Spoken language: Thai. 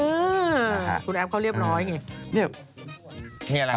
คุณแอฟเขาเรียบร้อย